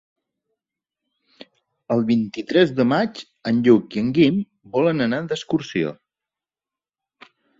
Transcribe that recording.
El vint-i-tres de maig en Lluc i en Guim volen anar d'excursió.